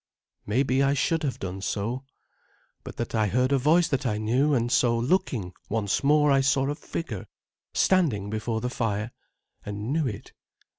Maybe I should have done so, but that I heard a voice that I knew; and so, looking once more, I saw a figure standing before the fire, and knew it.